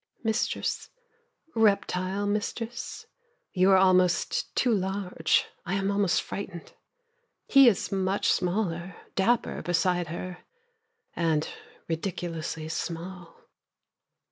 Mistress, reptile mistress, You are almost too large, I am almost frightened. He is much smaller, Dapper beside her, And ridiculously small.